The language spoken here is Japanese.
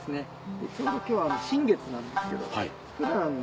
ちょうど今日新月なんですけど。